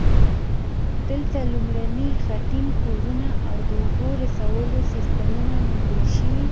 دلته لومړني خټین کورونه او د اوبو رسولو سیستمونه موندل شوي